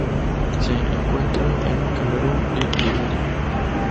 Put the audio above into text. Se encuentra en Camerún y Liberia.